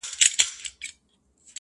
• د مرور روح د پخلا وجود کانې دي ته؛